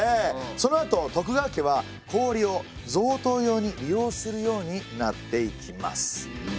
そのあと徳川家は氷を贈答用に利用するようになっていきます。